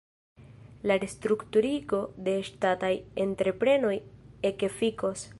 La restrukturigo de ŝtataj entreprenoj ekefikos.